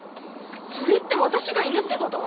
それって私が犬ってこと？